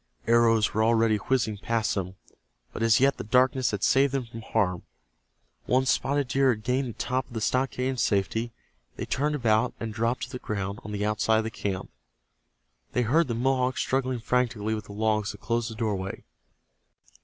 Arrows were already whizzing past them, but as yet the darkness had saved them from harm. Once Spotted Deer had gained the top of the stockade in safety, they turned about and dropped to the ground on the outside of the camp. They heard the Mohawks struggling frantically with the logs that closed the doorway.